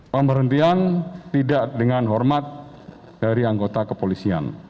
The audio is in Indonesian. pemberhentian tidak dengan hormat dari anggota kepolisian